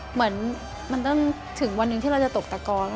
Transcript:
เหมือนมันต้องถึงวันหนึ่งที่เราจะตกตะกอน